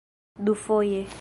dufoje